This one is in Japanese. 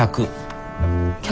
客。